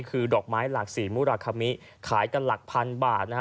คือดอกไม้หลักสี่มุราคามิขายกันหลักพันบาทนะฮะ